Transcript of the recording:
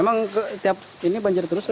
emang tiap ini banjir terus